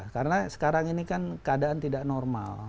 karena sekarang ini kan keadaan tidak normal